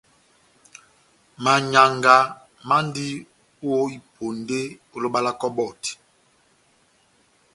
Manyianga mandi ó iponde ó loba lá kɔbɔti.